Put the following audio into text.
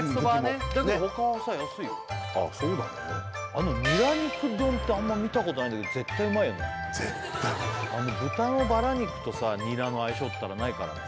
あのニラ肉丼ってあんま見たことないんだけど絶対うまいよね絶対うまいあの豚のバラ肉とさニラの相性ったらないからね